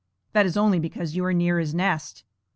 That is only because you are near his nest.